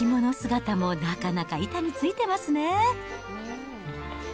着物姿もなかなか板についてますね。